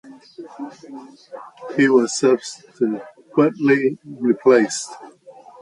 He was subsequently replaced as party leader by John Bruton.